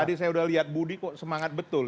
tadi saya udah lihat budi kok semangat betul